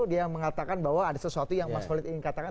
dia mengatakan bahwa ada sesuatu yang mas holid ingin katakan